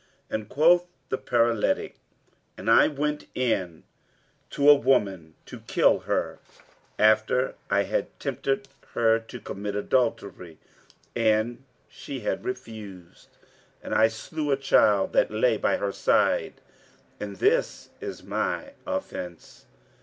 And quoth the paralytic, "And I went in to a woman to kill her, after I had tempted her to commit adultery and she had refused; and I slew a child that lay by her side; and this is my offence."